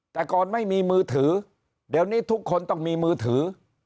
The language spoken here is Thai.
แต่ก่อนไม่มีมือถือเดี๋ยวนี้ทุกคนต้องมีมือถือ